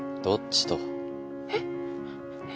どっちと？